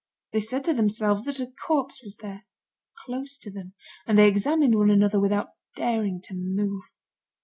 They said to themselves that a corpse was there, close to them, and they examined one another without daring to move.